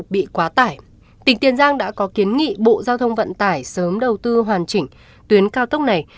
bị quá tải tỉnh tiền giang đã có kiến nghị bộ giao thông vận tải sớm đầu tư hoàn chỉnh tuyến cao tốc này